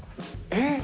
えっ。